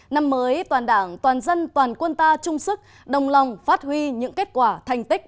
năm mới toàn đảng toàn dân toàn quân ta chung sức đồng lòng phát huy những kết quả thành tích